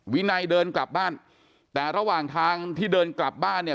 วินัยเดินกลับบ้านแต่ระหว่างทางที่เดินกลับบ้านเนี่ย